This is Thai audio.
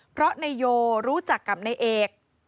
เพราะนายโยรู้จักกับนายเอก